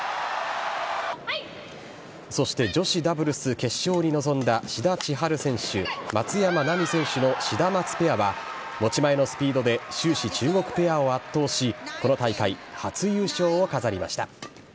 そして女子ダブルス決勝に臨んだ、志田千陽選手、松山奈未選手のシダマツペアは、持ち前のスピードで終始、中国ペアを圧倒し、この大会初優勝を飾りました。